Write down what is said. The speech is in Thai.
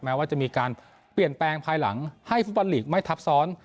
ว่าจะมีการเปลี่ยนแปลงภายหลังให้ฟุตบอลลีกไม่ทับซ้อน